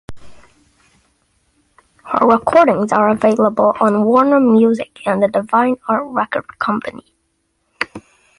Her recordings are available on Warner Music and the Divine Art Record Company.